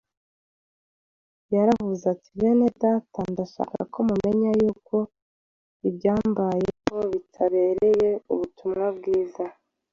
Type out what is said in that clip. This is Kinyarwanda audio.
Yaravuze ati: “Bene Data, ndashaka ko mumenya yuko ibyambayeho bitabereye ubutumwa bwiza